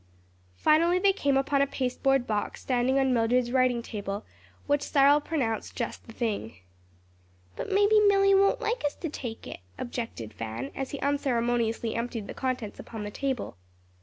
Finally they came upon a pasteboard box standing on Mildred's writing table, which Cyril pronounced just the thing. "But maybe Milly won't like us to take it," objected Fan, as he unceremoniously emptied the contents upon the table.